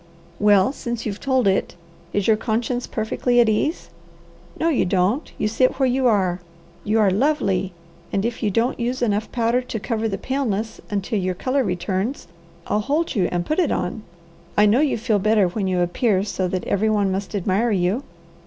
"Well since you've told it, is your conscience perfectly at ease? No you don't! You sit where you are! You are lovely, and if you don't use enough powder to cover the paleness, until your colour returns, I'll hold you and put it on. I know you feel better when you appear so that every one must admire you."